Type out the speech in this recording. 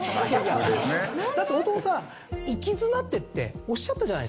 なんで？だって大友さん「行き詰まって」っておっしゃったじゃないですか。